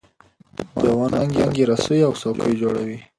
د ونو څانګې رسۍ او څوکۍ جوړوي.